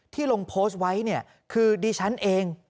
ลงโพสต์ไว้เนี่ยคือดิฉันเอง